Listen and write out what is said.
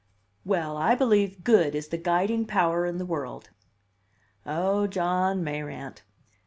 "Well, I believe good is the guiding power in the world." "Oh, John Mayrant!